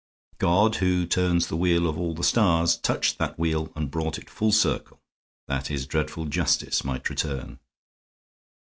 God, who turns the wheel of all the stars, touched that wheel and brought it full circle, that His dreadful justice might return."